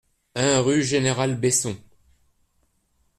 un rue Général Besson